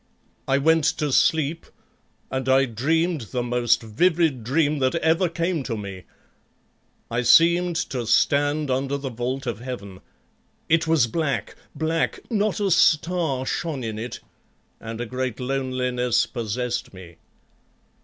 I went to sleep, and I dreamed the most vivid dream that ever came to me. I seemed to stand under the vault of heaven, it was black, black, not a star shone in it, and a great loneliness possessed me.